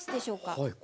はい。